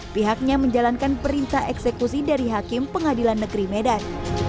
pihaknya menjalankan perintah eksekusi dari hakim pengadilan negeri medan